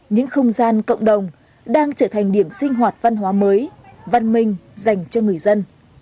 những không gian cộng đồng đang trở thành điểm sinh hoạt văn hóa mới văn minh dành cho người dân